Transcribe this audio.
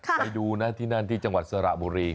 ไปดูนะที่นั่นที่จังหวัดสระบุรี